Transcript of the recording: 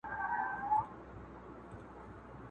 ما چي میوند، میوند نارې وهلې.!